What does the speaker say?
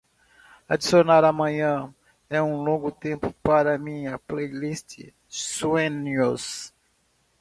Adicionar Amanhã é um longo tempo para minha playlist Sueños